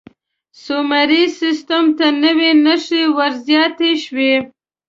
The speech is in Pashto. سومري سیستم ته نوې نښې ور زیاتې شوې.